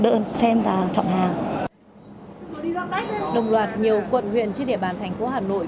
đồng loạt nhiều quận huyện trên địa bàn thành phố hà nội